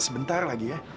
sebentar lagi ya